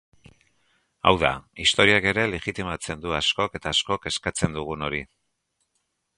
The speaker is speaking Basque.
Hau da, historiak ere legitimatzen du askok eta askok eskatzen dugun hori.